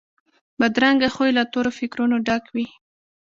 بدرنګه خوی له تورو فکرونو ډک وي